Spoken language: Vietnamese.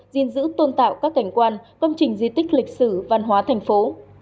diên dữ tôn tạo các cảnh quan công trình di tích lịch sử văn hóa thành phố